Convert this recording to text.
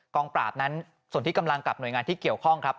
งปราบนั้นส่วนที่กำลังกับหน่วยงานที่เกี่ยวข้องครับ